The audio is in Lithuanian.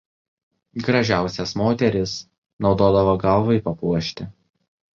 Gražiausias moterys naudodavo galvai papuošti.